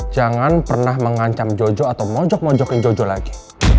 jangan pernah mengancam jojo atau mojok mojokin jojo lagi